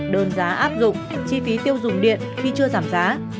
đơn giá áp dụng chi phí tiêu dùng điện khi chưa giảm giá